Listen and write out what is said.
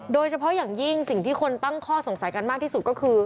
โดยเฉพาะอย่างยิ่งสิ่งที่คนตั้งข้อสงสัยกันมากที่สุดก็คือ